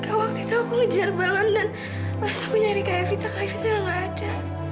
kau waktu itu aku ngejar balon dan pas aku nyari kak evita kak evita yang gak ada